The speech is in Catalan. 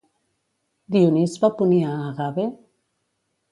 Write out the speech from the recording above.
Dionís va punir a Agave?